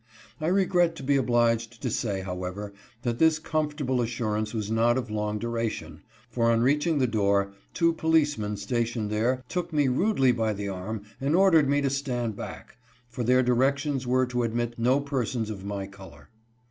I regret to be obliged to say, however, that this comfortable assurance was not of long duration, for on reaching the door, two policemen stationed there took me rudely by the arm and ordered me to stand back, for their directions were to admit no persons of my color.